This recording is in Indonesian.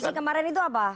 jadi fungsi kemarin itu apa